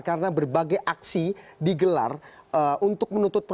karena berbagai aksi digelar untuk menuntutkan